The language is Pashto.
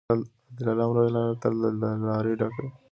د دلارام لویه لاره تل له لاریو ډکه وي.